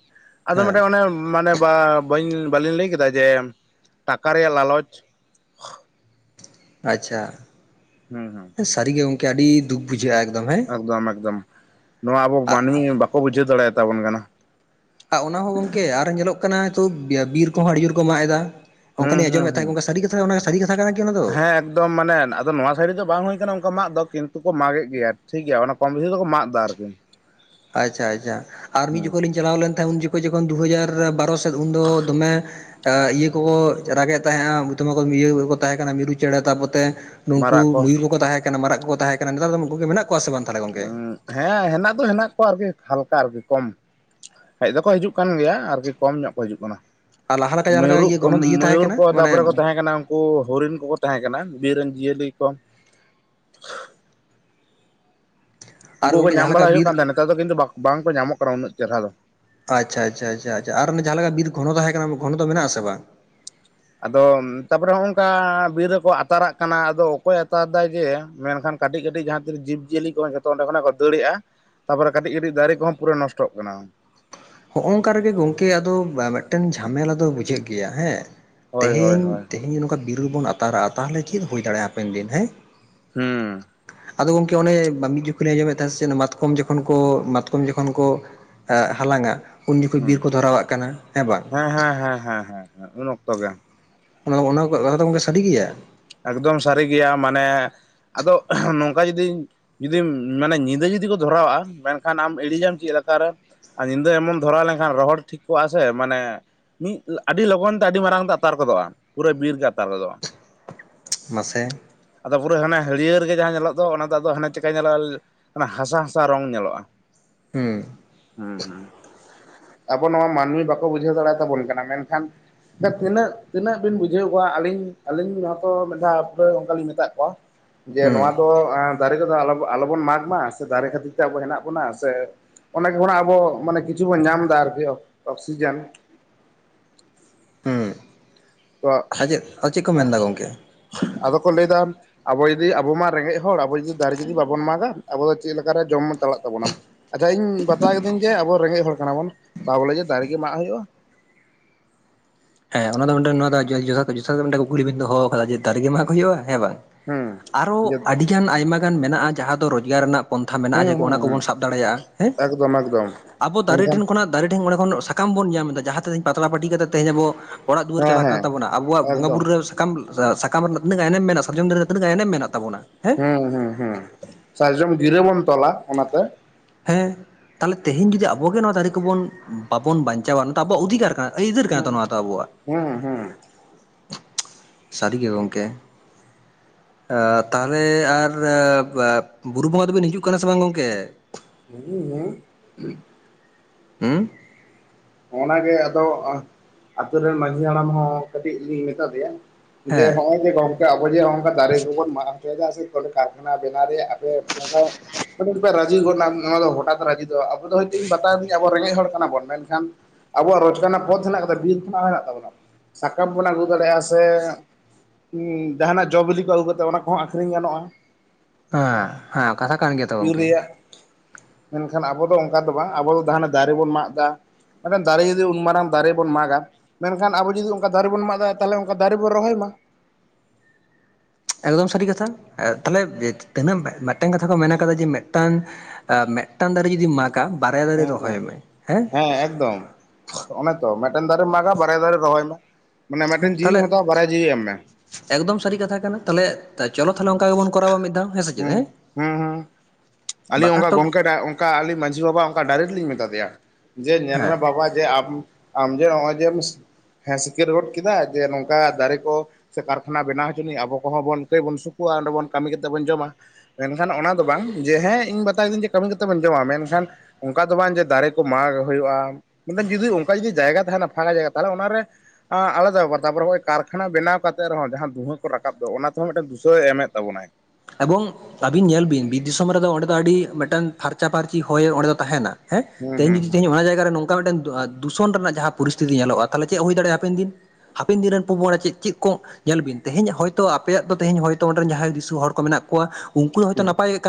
ᱟᱫᱚ ᱦᱮᱸ ᱢᱤᱫᱴᱮᱱ ᱚᱱᱮ ᱢᱟᱱᱮ ᱵᱟ ᱵᱟᱹᱧ ᱵᱟᱹᱞᱤᱧ ᱞᱟᱹᱭ ᱠᱮᱫᱟ ᱡᱮ ᱴᱟᱠᱟ ᱨᱮᱭᱟᱜ ᱞᱟᱞᱚᱪᱼᱼ ᱟᱪᱪᱷᱟ ᱦᱮᱸ ᱦᱮᱸ ᱥᱟᱹᱨᱤ ᱜᱮ ᱜᱚᱝᱠᱮ ᱟᱹᱰᱤ ᱫᱩᱠ ᱵᱩᱡᱷᱟᱹᱜᱼᱟ ᱮᱠᱫᱚᱢ ᱦᱮᱸ ᱼᱼ ᱮᱠᱫᱚᱢ ᱮᱠᱫᱚᱢ ᱱᱚᱣᱟ ᱟᱵᱚ ᱢᱟᱹᱱᱢᱤ ᱵᱟᱠᱚ ᱵᱩᱡᱷᱟᱹᱣ ᱫᱟᱲᱮᱭᱟᱛᱟ ᱵᱚᱱ ᱠᱟᱱᱟ᱾ ᱚᱱᱟ ᱦᱚᱸ ᱜᱚᱝᱠᱮ ᱟᱨ ᱧᱮᱞᱚᱜ ᱠᱟᱱᱟ ᱱᱤᱛᱚᱜ ᱵᱤᱨ ᱠᱚ ᱦᱚᱸ ᱟᱹᱰᱤ ᱡᱳᱨ ᱠᱚ ᱢᱟᱜ ᱮᱫᱟ᱾ ᱚᱱᱠᱟ ᱦᱩᱸ ᱞᱤᱧ ᱦᱩᱸ ᱟᱸᱡᱚᱢᱮᱫ ᱛᱟᱦᱮᱸᱫ ᱦᱩᱸ ᱜᱚᱝᱠᱮ ᱥᱟᱹᱨᱤ ᱠᱟᱛᱷᱟ ᱚᱱᱟ ᱥᱟᱹᱨᱤ ᱠᱟᱛᱷᱟ ᱠᱟᱱᱟ ᱠᱤ ᱚᱱᱟ ᱫᱚ? ᱦᱮᱸ ᱮᱠᱫᱚᱢ ᱢᱟᱱᱮ ᱟᱫᱚ ᱱᱚᱣᱟ ᱫᱷᱟᱨᱮ ᱫᱚ ᱵᱟᱝ ᱦᱩᱭ ᱟᱠᱟᱱᱟ ᱚᱱᱠᱟ ᱢᱟᱜ ᱫᱚ ᱠᱤᱱᱛᱩ ᱠᱚ ᱢᱟᱜ ᱮ ᱜᱮᱭᱟ ᱴᱷᱤᱠ ᱜᱮᱭᱟ ᱚᱱᱟ ᱠᱚᱢ ᱵᱮᱥᱤ ᱫᱚ ᱠᱚ ᱢᱟᱜ ᱮᱫᱟ ᱟᱨᱠᱤ᱾ ᱟᱪᱪᱷᱟ ᱟᱪᱪᱷᱟ ᱟᱨ ᱢᱤᱫ ᱦᱮᱸ ᱡᱚᱠᱷᱚᱡ ᱞᱤᱧ ᱪᱟᱞᱟᱣ ᱞᱮᱱ ᱛᱟᱦᱮᱸᱫ ᱩᱱ ᱡᱚᱠᱷᱚᱡ ᱡᱚᱠᱷᱚᱱ ᱫᱩ ᱦᱟᱡᱟᱨ ᱵᱟᱨᱚ ᱥᱮᱫ ᱩᱱᱫᱚ ᱫᱚᱢᱮ ᱮ ᱤᱭᱟᱹ ᱠᱚᱠᱚ ᱨᱟᱜᱮᱫ ᱛᱟᱦᱮᱸᱱᱟ ᱛᱢᱟ [inaudible] ᱠᱚ ᱤᱭᱟᱹ ᱠᱚᱠᱚ ᱛᱟᱦᱮᱸ ᱠᱟᱱᱟ ᱢᱤᱨᱩ ᱪᱮᱬᱮ ᱛᱟᱨᱯᱚᱨ ᱛᱮ ᱢᱟᱨᱟᱜ ᱱᱩᱠᱩ ᱠᱚ ᱢᱚᱭᱩᱨ ᱠᱚᱠᱚ ᱛᱟᱦᱮᱸ ᱠᱟᱱᱟ, ᱢᱟᱨᱟᱜ ᱠᱚᱠᱚ ᱛᱟᱦᱮᱸ ᱠᱟᱱᱟ ᱱᱮᱛᱟᱨ ᱫᱚ ᱱᱩᱠᱩ ᱜᱮ ᱢᱮᱱᱟᱜ ᱠᱚᱣᱟ ᱥᱮ ᱵᱟᱝ? ᱛᱟᱦᱚᱞᱮ ᱜᱚᱝᱠᱮ ᱦᱮᱸ ᱦᱮᱱᱟᱜ ᱫᱚ ᱦᱮᱱᱟᱜ ᱠᱚᱣᱟ ᱟᱨᱠᱤ ᱦᱟᱞᱠᱟ ᱟᱨᱠᱤ ᱠᱚᱢ᱾ ᱦᱮᱡ ᱫᱚ ᱠᱚ ᱦᱤᱡᱩᱜ ᱠᱟᱱ ᱜᱮᱭᱟ ᱟᱨᱠᱤ ᱠᱚᱢ ᱧᱚᱜ ᱠᱚ ᱦᱤᱡᱩᱜ ᱠᱟᱱᱟ᱾ ᱟᱨ ᱞᱟᱦᱟ ᱞᱮᱠᱟ ᱡᱟᱦᱟᱸ ᱢᱚᱭᱩᱨ ᱞᱮᱠᱟ ᱤᱭᱟᱹ ᱠᱚ ᱜᱷᱚᱱᱚ ᱤᱭᱟᱹ ᱛᱟᱦᱮᱸ ᱢᱚᱭᱩᱨ ᱠᱟᱱᱟ ᱠᱚ ᱛᱟᱯᱚᱨᱮ ᱠᱚ ᱢᱟᱱᱮ ᱛᱟᱦᱮᱸᱠᱟᱱᱟ ᱩᱱ [inaudible] ᱩᱱᱠᱩ ᱦᱚᱨᱤᱱ ᱠᱚᱠᱚ ᱛᱟᱦᱮᱸ ᱠᱟᱱᱟ ᱵᱤᱨ ᱨᱮᱱ ᱡᱤᱭᱟᱹᱞᱤ ᱠᱚ ᱟᱨ ᱩᱱᱠᱩ ᱠᱚ ᱜᱚᱝᱠᱮ ᱡᱟᱦᱟᱸ ᱧᱟᱢ ᱞᱮᱠᱟ ᱵᱟᱲᱟ ᱦᱩᱭᱩᱜ ᱵᱤᱨ ᱠᱟᱱ ᱛᱟᱦᱮᱸ ᱱᱮᱛᱟᱨ ᱫᱚ ᱠᱤᱱᱛᱩ ᱵᱟᱝ ᱠᱚ ᱧᱟᱢᱚᱜ ᱠᱟᱱᱟ ᱩᱱᱟᱹᱜ ᱪᱮᱦᱨᱟ ᱫᱚ᱾ ᱟᱪᱪᱷᱟ ᱟᱪᱪᱷᱟ ᱟᱪᱪᱷᱟ ᱟᱪᱪᱷᱟ ᱟᱨ ᱚᱱᱮ ᱡᱟᱦᱟᱸ ᱞᱮᱠᱟ ᱵᱤᱨ ᱜᱷᱚᱱᱚ ᱛᱟᱦᱮᱸ ᱠᱟᱱᱟ ᱚᱱᱟ ᱜᱷᱚᱱ ᱫᱚ ᱢᱮᱱᱟᱜᱼᱟ ᱥᱮ ᱵᱟᱝ? ᱟᱫᱚ ᱛᱟᱯᱚᱨᱮ ᱦᱚᱸᱜ ᱚᱭ ᱱᱚᱝᱠᱟ ᱵᱤᱨ ᱨᱮ ᱠᱚ ᱟᱛᱟᱨᱟᱜ ᱠᱟᱱᱟ ᱟᱫᱚ ᱚᱠᱚᱭ ᱟᱛᱟᱨ ᱫᱟᱭ ᱡᱮ ᱢᱮᱱ ᱠᱷᱟᱱ ᱠᱟᱹᱴᱤᱡ ᱠᱟᱹᱴᱤᱡ ᱡᱟᱦᱟᱸ ᱛᱤᱱᱟᱹᱜ ᱡᱤᱵᱽ ᱡᱤᱭᱟᱹᱞᱤ ᱠᱚ ᱦᱚᱸ ᱡᱚᱛᱚ ᱚᱸᱰᱮ ᱠᱷᱚᱱᱟᱜ ᱠᱚ ᱫᱟᱹᱲᱮᱜᱼᱟ᱾ ᱛᱟᱯᱚᱨᱮ ᱠᱟᱹᱴᱤᱡ ᱠᱟᱹᱴᱤᱡ ᱫᱟᱨᱮ ᱠᱚᱦᱚᱸ ᱯᱩᱨᱟᱹ ᱱᱚᱥᱴᱚᱜ ᱠᱟᱱᱟ᱾ ᱦᱚᱜ ᱚᱝᱠᱟ ᱨᱮᱜᱮ ᱜᱚᱝᱠᱮ ᱟᱫᱚ ᱢᱤᱫᱴᱮᱱ ᱡᱷᱟᱢᱮᱞᱟ ᱫᱚ ᱵᱩᱡᱷᱟᱹᱜ ᱜᱮᱭᱟ ᱦᱮᱸ ᱦᱳᱭ ᱦᱳᱭ ᱛᱮᱦᱮᱸᱧ ᱛᱮ ᱦᱳᱭ ᱛᱮᱦᱮᱧ ᱱᱚᱝᱠᱟ ᱵᱤᱨ ᱨᱮ ᱵᱚᱱ ᱟᱛᱟᱨᱟᱜᱼᱟ, ᱛᱟᱦᱚᱞᱮ ᱪᱮᱫ ᱦᱩᱭ ᱫᱟᱲᱮᱭᱟᱜᱼᱟ ᱦᱟᱯᱮᱱ ᱫᱤᱱ ᱦᱮᱸ? ᱦᱮᱸ ᱟᱫᱚ ᱜᱚᱝᱠᱮ ᱚᱱᱮ ᱢᱤᱫ ᱡᱚᱠᱷᱚᱡ ᱞᱤᱧ ᱟᱸᱡᱚᱢᱮᱫ ᱛᱟᱦᱮᱸ ᱥᱮ ᱢᱟᱛᱠᱚᱢ ᱡᱚᱠᱷᱚᱱ ᱠᱚ ᱢᱟᱛᱠᱚᱢ ᱡᱚᱠᱷᱚᱱ ᱠᱚ ᱦᱮᱸ ᱦᱟᱞᱟᱝᱼᱟ ᱩᱱ ᱦᱮ, ᱡᱚᱠᱷᱚᱱ ᱵᱤᱨ ᱠᱚ ᱫᱷᱚᱨᱟᱣᱟᱜ ᱠᱟᱱᱟ ᱸ ᱦᱮᱸ ᱦᱮᱸ ᱦᱮᱸ ᱦᱮᱸ ᱦᱮᱸ ᱦᱮᱸ ᱩᱱ ᱚᱠᱛᱚ ᱜᱮ᱾ ᱚᱱᱟ ᱠᱚ ᱚᱱᱟ ᱠᱚ ᱠᱟᱛᱷᱟ ᱫᱚ ᱜᱚᱝᱠᱮ ᱥᱟᱹᱨᱤ ᱜᱮᱭᱟ? ᱮᱠᱫᱚᱢ ᱥᱟᱹᱨᱤ ᱜᱮᱭᱟ ᱢᱟᱱᱮ ᱟᱫᱚ ᱱᱚᱝᱠᱟ ᱡᱩᱫᱤᱧ ᱡᱩᱫᱤᱢ ᱢᱟᱱᱮ ᱧᱤᱫᱟᱹ ᱡᱩᱫᱤ ᱠᱚ ᱫᱷᱚᱨᱟᱣᱟᱜ- ᱟ ᱢᱮᱱ ᱠᱷᱟᱱ ᱟᱢ ᱤᱲᱤᱡᱟᱢ ᱪᱮᱫ ᱞᱮᱠᱟ ᱨᱮ? ᱟᱨ ᱧᱤᱫᱟᱹ ᱮᱢᱚᱱ ᱫᱷᱚᱨᱟᱣ ᱞᱮᱱᱠᱷᱟᱱ ᱨᱚᱦᱚᱲ ᱴᱷᱤᱠ ᱠᱚᱜᱼᱟ ᱥᱮ ᱢᱟᱱᱮ ᱢᱤᱫ, ᱟᱹᱰᱤ ᱞᱚᱜᱚᱱ ᱛᱮ ᱟᱹᱰᱤ ᱢᱟᱨᱟᱝ ᱛᱮ ᱟᱛᱟᱨ ᱜᱚᱫᱚᱜᱼᱟ, ᱯᱩᱨᱟᱹ ᱵᱤᱨ ᱜᱮ ᱟᱛᱟᱨ ᱜᱚᱫᱚᱜᱼᱟ᱾ ᱢᱟᱥᱮ ᱟᱫᱚ ᱯᱩᱨᱟᱹ ᱦᱟᱱᱮ ᱦᱟᱹᱨᱭᱟᱹᱲ ᱜᱮ ᱡᱟᱦᱟᱸ ᱧᱮᱞᱚᱜ ᱫᱚ, ᱚᱱᱟ ᱫᱚ ᱟᱫᱚ ᱦᱟᱱᱮ ᱪᱮᱠᱟ ᱧᱮᱞᱚᱜᱼᱟ ᱚᱱᱟ ᱦᱟᱥᱟᱻᱦᱟᱥᱟ ᱨᱚᱝ ᱧᱮᱞᱚᱜᱼᱟ᱾ ᱦᱮᱸ ᱦᱩᱸ ᱦᱩᱸ ᱟᱵᱚ ᱱᱚᱣᱟ ᱢᱟᱹᱱᱢᱤ ᱵᱟᱠᱚ ᱵᱩᱡᱷᱟᱹᱣ ᱫᱟᱲᱮ ᱛᱟᱵᱚᱱ ᱠᱟᱱᱟ ᱢᱮᱱᱠᱷᱟᱱ ᱛᱤᱱᱟᱹᱜ ᱛᱤᱱᱟᱹᱜ ᱵᱤᱱ ᱵᱩᱡᱷᱟᱹᱣ ᱠᱚᱣᱟ ᱟᱹᱞᱤᱧᱻᱟᱹᱞᱤᱧ ᱱᱚᱣᱟ ᱛ ᱢᱤᱫ ᱫᱷᱟᱣ ᱯᱩᱨᱟᱹ ᱚᱱᱠᱟ ᱞᱤᱧ ᱢᱮᱛᱟᱜ ᱠᱚᱣᱟ ᱡᱮ ᱦᱩᱸ ᱱᱚᱣᱟ ᱫᱚ ᱛᱚ ᱫᱟᱨᱮ ᱠᱚᱫᱚ ᱟᱞᱚᱵᱚᱱ ᱢᱟᱜᱽ ᱢᱟ ᱥᱮ ᱫᱟᱨᱮ ᱠᱷᱟᱹᱛᱤᱨ ᱛᱮ ᱟᱵᱚ ᱦᱮᱱᱟᱜ ᱵᱚᱱᱟ ᱥᱮ [inaudible] ᱠᱷᱚᱱᱟᱜ ᱟᱵᱚ ᱢᱟᱱᱮ ᱠᱤᱪᱷᱩ ᱵᱚᱱ ᱧᱟᱢ ᱮᱫᱟ ᱟᱨᱠᱤ ᱚᱠᱥᱤᱡᱮᱱ᱾ ᱦᱩᱸ ᱛᱚ ᱟᱨ ᱪᱮᱫᱻᱪᱮᱫ ᱠᱚ ᱢᱮᱱᱫᱟ ᱜᱚᱢᱠᱮ? ᱟᱫᱚ ᱠᱚ ᱞᱟᱹᱭ ᱫᱟ ᱟᱵᱚ ᱡᱩᱚᱫᱤ ᱟᱵᱚ ᱢᱟ ᱨᱮᱸᱜᱮᱡ ᱦᱚᱲ ᱟᱵᱚ ᱡᱩᱫᱤ ᱫᱟᱨᱮ ᱡᱩᱫᱤ ᱵᱟᱵᱚᱱ ᱢᱟᱜᱟ ᱟᱵᱳᱫᱚ ᱪᱮᱫ ᱞᱮᱠᱟᱛᱮ ᱡᱚᱢ ᱪᱟᱞᱟ ᱛᱟᱵᱚᱱᱟ? ᱟᱪᱪᱷᱟ ᱤᱧ ᱵᱟᱛᱟᱣ ᱠᱤᱫᱟᱹᱧ ᱡᱮ ᱟᱵᱚ ᱨᱮᱸᱜᱮᱡ ᱦᱚᱲ ᱠᱟᱱᱟ ᱵᱚᱱ, ᱛᱟᱵᱚᱞᱮ ᱡᱮ ᱫᱟᱨᱮ ᱜᱮ ᱢᱟᱜ ᱦᱩᱭᱩᱜᱼᱟ? ᱦᱮᱸ ᱚᱱᱟ ᱫᱚ ᱢᱮᱴᱮᱱ ᱱᱚᱭᱟᱫᱚ ᱡᱚᱛᱷᱟᱛ ᱠᱩᱠᱞᱤ ᱵᱤᱱ ᱫᱚᱦᱚᱣᱟ ᱟᱠᱟᱫᱟ ᱡᱮ ᱫᱟᱨᱮ ᱜᱮ ᱢᱟᱜ ᱦᱩᱭᱩᱜᱼᱟ᱾ ᱦᱮᱸ ᱵᱟᱝ? ᱦᱮᱸ ᱟᱨᱚ ᱦᱮᱸ ᱟᱹᱰᱤᱜᱟᱱ ᱟᱭᱢᱟ ᱜᱟᱱ ᱢᱮᱱᱟᱜᱼᱟ ᱡᱟᱦᱟᱸ ᱫᱚ ᱨᱳᱡᱜᱟᱨ ᱨᱮᱱᱟᱜ ᱯᱟᱱᱛᱷᱟ ᱢᱮᱱᱟᱜᱼᱟ ᱡᱮ ᱦᱮᱸ ᱚᱱᱟ ᱦᱮᱸ ᱠᱚᱵᱚᱱ ᱥᱟᱵ ᱫᱟᱲᱮᱭᱟᱜᱼᱟ ᱦᱮ, ᱮᱠᱫᱚᱢ ᱮᱠᱫᱚᱢ ᱟᱵᱚ ᱫᱟᱨᱮ ᱢᱮᱱᱠᱷᱟᱱ ᱴᱷᱮᱱ ᱠᱷᱚᱱᱟᱜ ᱫᱟᱨᱮ ᱴᱷᱮᱱ ᱚᱸᱰᱮ ᱠᱷᱚᱱ ᱥᱟᱠᱟᱢ ᱵᱚᱱ ᱧᱟᱢ ᱮᱫᱟ ᱡᱟᱦᱟᱸ ᱛᱮᱦᱮᱧ ᱯᱟᱛᱲᱟ ᱯᱟᱹᱴᱤ ᱠᱟᱛᱮ ᱛᱮᱦᱮᱧ ᱟᱵᱚ ᱚᱲᱟᱜ ᱫᱩᱣᱟᱹᱨ ᱦᱮᱸ ᱪᱟᱞᱟᱜ ᱠᱟᱱ ᱦᱮᱸ ᱛᱟᱵᱚᱱᱟ ᱟᱵᱚᱣᱟᱜ ᱵᱚᱸᱜᱟ ᱮᱠᱫᱚᱢ ᱵᱩᱨᱩ ᱨᱮ ᱥᱟᱠᱟᱢ ᱥᱟᱠᱟᱢ ᱨᱮᱱᱟᱜ ᱛᱤᱱᱟᱹᱜ ᱜᱟᱱ ᱮᱱᱮᱢ ᱢᱮᱱᱟᱜᱼᱟ ᱥᱟᱨᱡᱚᱢ ᱫᱟᱹᱨᱮ ᱨᱮ ᱛᱤᱱᱟᱹᱜ ᱜᱟᱱ ᱮᱱᱮᱢ ᱢᱮᱱᱟᱜ ᱛᱟᱵᱚᱱᱟ, ᱦᱮᱸ ᱦᱩᱸ ᱦᱩᱸ ᱦᱩᱸ ᱥᱟᱨᱡᱚᱢ ᱜᱤᱨᱟᱹ ᱵᱚᱱ ᱛᱚᱞᱟ ᱚᱱᱟᱛᱮ᱾ ᱦᱮᱸ ᱛᱟᱦᱚᱞᱮ ᱛᱮᱦᱤᱧ ᱡᱩᱫᱤ ᱟᱵᱚ ᱜᱮ ᱱᱚᱣᱟ ᱫᱟᱨᱮ ᱠᱚᱵᱚᱱ ᱵᱟᱵᱚᱱ ᱵᱟᱧᱪᱟᱣᱟ ᱚᱱᱟ ᱟᱵᱚᱣᱟᱜ ᱚᱫᱷᱤᱠᱟᱨ ᱠᱟᱱᱟ ᱟᱹᱤᱫᱟᱹᱨ ᱠᱟᱱᱟ ᱛᱚ ᱦᱩᱸ ᱱᱚᱣᱟ ᱛᱚ ᱟᱵᱚᱣᱟᱜ᱾ [unintelligible] ᱥᱟᱨᱤ ᱜᱮ ᱜᱚᱝᱠᱮ, ᱛᱟᱦᱚᱞᱮ ᱟᱨ ᱵᱩᱨᱩ ᱵᱚᱜᱟ ᱫᱚ ᱵᱤᱱ ᱦᱤᱡᱩᱜ ᱠᱟᱱᱟ ᱥᱮ ᱵᱟᱝ ᱜᱚᱝᱠᱮ? [inaudible] ᱦᱩᱸ ᱦᱚᱸᱜ ᱚᱱᱟᱜᱮ ᱟᱫᱚ ᱟᱹᱛᱩ ᱨᱮᱱ ᱢᱟᱺᱡᱷᱤ ᱦᱟᱲᱟᱢ ᱦᱚᱸ ᱠᱟᱹᱴᱤᱡ ᱞᱤᱧ ᱢᱮᱛᱟ ᱫᱮᱭᱟ᱾ ᱡᱮ ᱦᱮᱸ ᱱᱚᱜᱼᱚᱭ ᱡᱮ ᱜᱚᱝᱠᱮ ᱟᱵᱚ ᱡᱮ ᱱᱚᱝᱠᱟ ᱫᱟᱨᱮᱵᱚᱱ ᱢᱟᱜ ᱦᱚᱪᱚᱭᱮᱫᱟ ᱠᱟᱨᱠᱷᱟᱱᱟ ᱵᱮᱱᱟᱣ ᱨᱮᱭᱟᱜ, [inaudible] ᱡᱤ ᱜᱟᱫ ᱱᱟᱢ ᱱᱚᱣᱟ ᱫᱚ ᱦᱚᱴᱟᱛ ᱨᱟᱡᱤ ᱫᱚ ᱟᱵᱚ ᱫᱚ ᱤᱧ ᱵᱟᱛᱟᱣᱫᱤᱧ ᱟᱵᱚ ᱨᱮᱸᱜᱮᱡ ᱦᱚᱲ ᱠᱟᱱᱟ ᱵᱚᱱ, ᱢᱮᱱᱠᱷᱟᱱ ᱟᱵᱚᱣᱟᱜ ᱨᱳᱡᱽᱜᱟᱨ ᱨᱮᱱᱟᱜ ᱯᱚᱫ ᱦᱮᱱᱟᱜ ᱟᱠᱟᱫᱟ ᱵᱤᱨ ᱠᱷᱚᱱᱟᱜ ᱦᱮᱱᱟᱜ ᱛᱟᱵᱚᱱᱟ ᱥᱟᱠᱟᱢ ᱵᱚᱱ ᱟᱹᱜᱩ ᱫᱟᱲᱮᱭᱟᱜᱼᱟ ᱥᱮ ᱡᱟᱦᱟᱸᱱᱟᱜ ᱡᱚ ᱵᱤᱞᱤ ᱠᱚ ᱟᱹᱜᱩ ᱠᱟᱛᱮᱜ ᱚᱱᱟ ᱠᱚᱦᱚᱸ ᱟᱠᱷᱨᱤᱧ ᱜᱟᱱᱚᱜᱼᱟ᱾ ᱦᱮᱸ ᱦᱮᱸ ᱠᱟᱛᱷᱟ ᱠᱟᱱ ᱜᱮᱭᱟ ᱛᱚ ᱵᱤᱨ ᱜᱚᱝᱠᱮ᱾ ᱨᱮᱭᱟᱜ ᱢᱮᱱᱠᱷᱟᱱ ᱟᱵᱚ ᱫᱚ ᱚᱱᱠᱟ ᱫᱚ ᱵᱟᱝ ᱟᱵᱚ ᱫᱚ ᱡᱟᱦᱱᱟᱜ ᱫᱟᱨᱮ ᱵᱚᱱ ᱢᱟᱜ ᱮᱫᱟ᱾ ᱢᱤᱫ ᱢᱟᱝ ᱫᱟᱨᱮ ᱡᱩᱫᱤ ᱩᱱ ᱢᱟᱨᱟᱝ ᱫᱟᱨᱮ ᱵᱚᱱ ᱢᱟᱜᱟ, ᱢᱮᱱᱠᱷᱟᱱ ᱟᱵᱚ ᱡᱩᱫᱤ ᱚᱱᱠᱟ ᱫᱮ ᱵᱚᱱ ᱢᱟᱜ ᱫᱟ ᱛᱟᱦᱚᱞᱮ ᱚᱱᱠᱟ ᱫᱟᱨᱮ ᱵᱚᱱ ᱨᱚᱦᱚᱭ ᱢᱟ᱾ ᱮᱠᱫᱚᱢ ᱥᱟᱹᱨᱤ ᱠᱟᱛᱷᱟ, ᱛᱟᱦᱞᱮ ᱛᱤᱱᱟᱹᱜ ᱢᱤᱫᱴᱟᱝ ᱠᱟᱛᱷᱟ ᱠᱚ ᱢᱮᱱ ᱠᱟᱫᱟ ᱡᱮ ᱢᱤᱫᱴᱟᱝ ᱢᱤᱫᱴᱟᱝ ᱫᱟᱨᱮ ᱡᱩᱫᱤᱢ ᱢᱟᱜᱟ ᱵᱟᱨᱭᱟ ᱫᱟᱨᱮ ᱦᱮᱸ ᱨᱚᱦᱚᱭ ᱦᱮᱸ ᱢᱮ ᱦᱮᱸ, ᱦᱮᱸ ᱮᱠᱫᱚᱢ᱾ ᱚᱱᱮ ᱛᱚ ᱢᱤᱫᱴᱮᱱ ᱫᱟᱨᱮᱢ ᱢᱟᱜᱟ ᱵᱟᱨᱭᱟ ᱫᱟᱨᱮ ᱨᱚᱦᱚᱭ ᱢᱮ, ᱢᱟᱱᱮ ᱢᱤᱫᱴᱮᱱ ᱡᱤᱣᱤᱢ ᱛᱟᱦᱚᱞᱮ ᱦᱟᱛᱟᱣᱟ ᱵᱟᱨᱭᱟ ᱡᱤᱣᱤᱭ ᱮᱢ ᱢᱮ᱾ ᱮᱠᱫᱚᱢ ᱥᱟᱹᱨᱤ ᱠᱟᱛᱷᱟ ᱠᱟᱱᱟ᱾ ᱛᱟᱦᱚᱞᱮ ᱪᱚᱞᱚ ᱛᱟᱦᱚᱞᱮ ᱚᱱᱠᱟ ᱜᱮᱵᱚᱱ ᱠᱚᱨᱟᱣᱟ ᱢᱤᱫ ᱫᱷᱟᱣ᱾ ᱦᱮᱸ ᱥᱮ ᱪᱮᱫ ᱦᱮᱸ ᱦᱩᱸ ᱦᱩᱸ ᱦᱩᱸ ᱟᱹᱞᱤᱧ ᱵᱟᱠᱷᱟᱱ ᱚᱱᱠᱟ ᱛᱚ ᱜᱚᱝᱠᱮ ᱴᱟᱜ ᱚᱱᱠᱟ ᱟᱹᱞᱤᱧ ᱢᱟᱹᱡᱷᱤ ᱵᱟᱵᱟ ᱚᱱᱠᱟ ᱰᱟᱭᱨᱮᱠᱴ ᱞᱤᱧ ᱢᱮᱛᱟ ᱫᱮᱭᱟ ᱡᱮ ᱧᱮᱞ ᱢᱮ ᱦᱮᱸ ᱵᱟᱵᱟ ᱡᱮ ᱟᱢ ᱟᱢ ᱡᱮ ᱱᱚᱜ-ᱚᱭ ᱡᱮᱢ ᱦᱮᱸ ᱥᱤᱠᱟᱹᱨ ᱜᱚᱫ ᱠᱮᱫᱟ, ᱡᱮ ᱱᱚᱝᱠᱟ ᱫᱟᱨᱮ ᱠᱚ ᱥᱮ ᱠᱟᱨᱠᱷᱟᱱᱟ ᱵᱮᱱᱟᱣ ᱦᱚᱪᱚᱱᱤᱡ ᱟᱵᱚ ᱠᱚᱦᱚᱸ ᱵᱚᱱ ᱠᱟᱹᱡ ᱵᱚᱱ ᱥᱩᱜᱼᱟ, ᱚᱸᱰᱮ ᱠᱟᱹᱢᱤ ᱠᱟᱛᱮ ᱵᱚᱱ ᱡᱚᱢᱟ ᱢᱮᱱᱠᱷᱟᱱ ᱚᱱᱟ ᱫᱚ ᱵᱟᱝ ᱡᱮ ᱦᱮᱸ ᱤᱧ ᱵᱟᱛᱟᱣ ᱤᱫᱟᱹᱧ ᱡᱮ ᱠᱟᱹᱢᱤ ᱠᱟᱛᱮ ᱵᱚᱱ ᱡᱚᱢᱟ, ᱢᱮᱱᱠᱷᱟᱱ ᱚᱱᱠᱟ ᱫᱚ ᱵᱟᱝ ᱡᱮ ᱫᱟᱨᱮ ᱠᱚ ᱢᱟᱜ ᱦᱩᱭᱩᱜᱼᱟ ᱢᱮᱱᱟᱱ ᱡᱩᱫᱤ ᱚᱱᱠᱟ ᱡᱩᱫᱤ ᱡᱟᱭᱜᱟ ᱛᱟᱦᱮᱱᱟ ᱯᱷᱟᱸᱠᱟ ᱡᱟᱭᱜᱟ ᱛᱟᱦᱚᱞᱮ ᱚᱱᱟᱨᱮ ᱟ ᱟᱞᱟᱫᱟ ᱵᱮᱯᱟᱨ ᱛᱟᱨᱯᱚᱨᱮ ᱱᱚᱜᱼᱭ ᱠᱟᱨᱠᱷᱟᱱᱟ ᱵᱮᱱᱟᱣ ᱠᱟᱛᱮ ᱨᱮᱦᱚᱸ ᱡᱟᱦᱟᱸ ᱫᱩᱦᱟᱹ ᱠᱚ ᱨᱟᱠᱟᱵ ᱚᱱᱟ ᱛᱮᱦᱚᱸ ᱢᱤᱫᱴᱟᱝ ᱫᱩᱥᱟᱹᱭ ᱮᱢᱮᱫ ᱛᱟᱵᱚᱱᱟᱭ, ᱮᱵᱚᱝ ᱟᱹᱵᱤᱱ ᱧᱮᱞ ᱵᱤᱱ ᱵᱤᱨ ᱫᱤᱥᱚᱢ ᱨᱮᱫᱚ ᱚᱸᱰᱮ ᱫᱚ ᱟᱹᱰᱤ ᱢᱤᱫᱴᱟᱝ ᱯᱷᱟᱨᱪᱟ ᱯᱷᱟᱨᱪᱤ ᱦᱚᱭ ᱚᱸᱰᱮ ᱫᱚ ᱛᱟᱦᱮᱸᱱᱟ, ᱦᱮᱸ ᱦᱩᱸ ᱛᱮᱦᱮᱧ ᱦᱩᱸ ᱡᱩᱫᱤ ᱦᱩᱸ ᱛᱮᱦᱮᱧ ᱚᱱᱟ ᱡᱟᱭᱜᱟ ᱨᱮ ᱱᱚᱝ ᱚᱱᱠᱟ ᱢᱤᱫᱴᱮᱱ ᱫᱩᱥᱚᱱ ᱨᱮᱱᱟᱜ ᱡᱟᱦᱟᱸ ᱯᱚᱨᱤᱥᱛᱤᱛᱤ ᱧᱮᱞᱚᱜᱼᱟ ᱛᱟᱦᱚᱞᱮ ᱪᱮᱫ ᱦᱩᱭ ᱫᱟᱲᱮᱭᱟᱜᱼᱟ ᱦᱟᱯᱮᱱ ᱫᱤᱱ ᱦᱟᱯᱮᱱ ᱫᱤᱱ ᱨᱮᱱ ᱯᱩᱹᱲᱟ ᱪᱮᱫ ᱠᱚ ᱧᱮᱞ ᱵᱤᱱ ᱛᱦᱮᱧ ᱦᱚᱳᱭᱛᱳ ᱟᱯᱮᱭᱟᱜ ᱫᱚ ᱛᱮᱦᱮᱧ ᱦᱭᱛᱳ ᱚᱸᱰᱮ ᱡᱟᱦᱟᱸᱭ ᱫᱤᱥᱩ ᱦᱚᱲ ᱠᱚ ᱢᱮᱱᱟᱜ ᱠᱚᱣᱟ ᱩᱱᱠᱩ ᱦᱚᱭᱛᱳ ᱱᱟᱯᱟᱭᱚᱜ ᱠᱟᱱᱟ